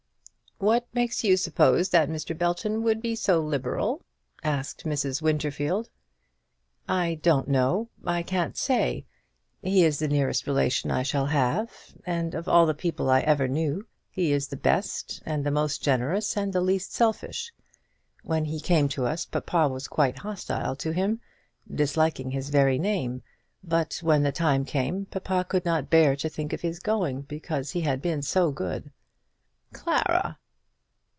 "What makes you suppose that Mr. Belton would be so liberal?" asked Mrs. Winterfield. "I don't know. I can't say. He is the nearest relation I shall have; and of all the people I ever knew he is the best, and the most generous, and the least selfish. When he came to us papa was quite hostile to him disliking his very name; but when the time came, papa could not bear to think of his going, because he had been so good." "Clara!"